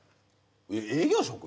営業職？